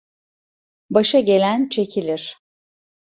Başa gelen çekilir.